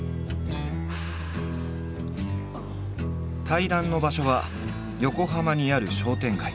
対談の場所は横浜にある商店街。